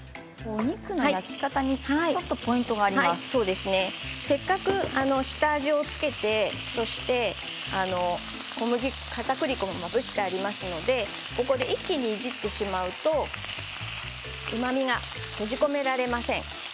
お肉の焼き方にせっかく下味を付けてかたくり粉もまぶしてありますのでここで一気にいじってしまうとうまみが閉じ込められません。